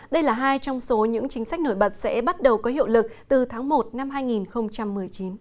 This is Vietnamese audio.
đây là hai trong số những chính sách nổi bật sẽ bắt đầu có hiệu lực từ tháng một năm hai nghìn một mươi chín